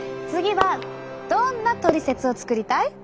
次はどんなトリセツを作りたい？